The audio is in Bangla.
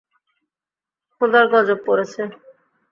খোদার গজব পড়েছে!